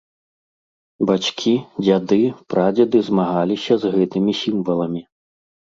Бацькі, дзяды, прадзеды змагаліся з гэтымі сімваламі.